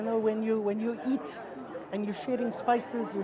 ketika anda makan dan berbagi makanan